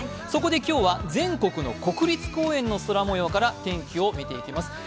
そこで今日は全国の国立公園の空もようから天気を見ていきます。